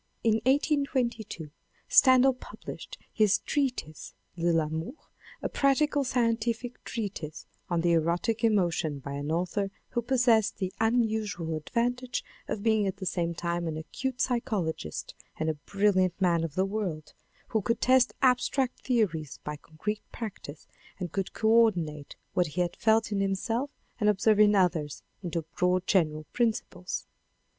In 1822 Stendhal published his treatise, De l'Amour, a practical scientific treatise on the erotic emotion by an author who possessed the unusual advantage of being at the same time an acute psychologist and a brilliant man of the world, who could test abstract theories by concrete practice and could co ordinate what he had felt in himself and observe in others into broad general principles.